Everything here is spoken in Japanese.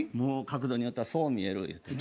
角度によってはそう見えるって。